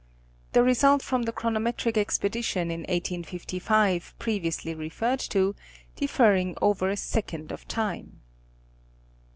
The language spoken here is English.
The result from the chronometric expedition in 1855 previously referred to differing over a second of time.